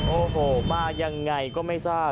โอ้โหมายังไงก็ไม่ทราบ